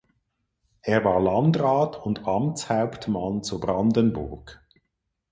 Er war Landrat und Amtshauptmann zu Brandenburg.